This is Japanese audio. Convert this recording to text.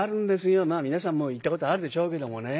皆さんも行ったことあるでしょうけどもね